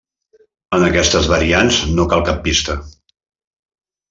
En aquestes variants no cal cap pista.